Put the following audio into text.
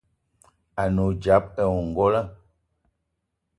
A ne odzap ayi ongolo.